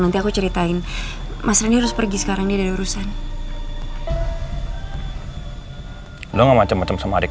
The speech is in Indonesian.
nanti aku ceritain mas rendy harus pergi sekarang dia ada urusan lu nggak macam macam sama adik